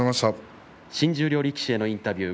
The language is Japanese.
新十両力士のインタビュー